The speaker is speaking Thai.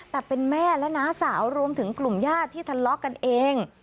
แต่เป็นแม่และน้าสาวรวมถึงกลุ่มญาติที่ทะเลาะกันเอง